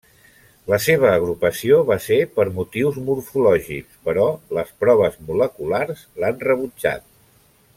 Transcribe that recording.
La seva agrupació va ser per motius morfològics, però les proves moleculars l'han rebutjat.